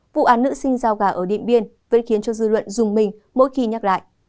vụ án nữ sinh giao gà ở điện biên vẫn khiến cho dư luận dùng mình mỗi khi nhắc lại